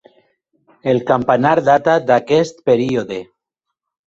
El campanar data d'aquest període.